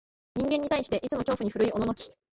人間に対して、いつも恐怖に震いおののき、